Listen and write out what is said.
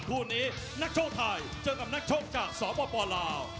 คู่นี้นักโชคไทยเจอกับนักชกจากสปลาว